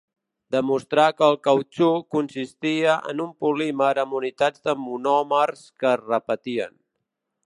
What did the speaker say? Demostrà que el cautxú consistia en un polímer amb unitats de monòmers que es repetien.